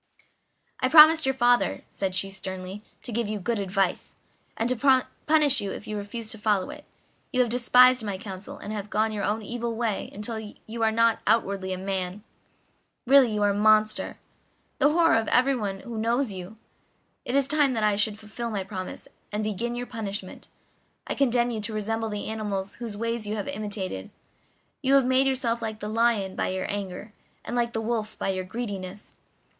"I promised your father," said she sternly, "to give you good advice, and to punish you if you refused to follow it. You have despised my counsel, and have gone your own evil way until you are only outwardly a man; really you are a monster the horror of everyone who knows you. It is time that I should fulfil my promise, and begin your punishment. I condemn you to resemble the animals whose ways you have imitated. You have made yourself like the lion by your anger, and like the wolf by your greediness.